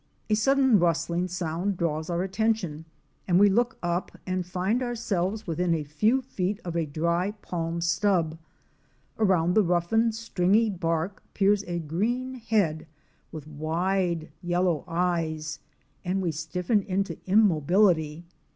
A sudden rustling sound draws our atten tion, and we look up and find ourselves within a few feet of a dry palm stub. Around the roughened stringy bark peers a green head with wide, yellow eyes, and we stiffen into immobility.